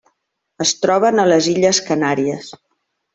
Es troben a les Illes Canàries.